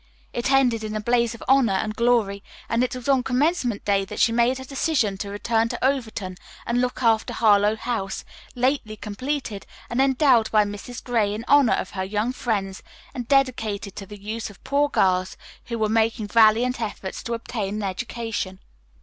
It ended in a blaze of honor and glory, and it was on Commencement day that she made her decision to return to Overton and look after Harlowe House, lately completed and endowed by Mrs. Gray in honor of her young friends and dedicated to the use of poor girls who were making valiant efforts to obtain an education.